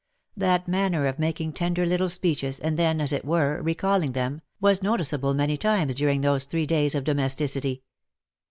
That manner of making tender little speeches, and then, as it were, recalling them, was noticeable many times during those three days ot domesticity.